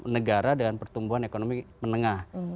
negara dengan pertumbuhan ekonomi menengah